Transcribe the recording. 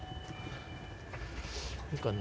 いいかな？